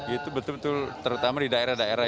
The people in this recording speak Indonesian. itu betul betul terutama di daerah daerah